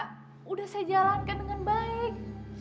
sudah saya jalankan dengan baik